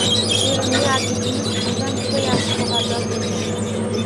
Sevimli adibimiz bundan juda yaxshi xabardor bo`lgan